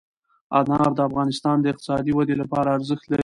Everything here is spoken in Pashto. انار د افغانستان د اقتصادي ودې لپاره ارزښت لري.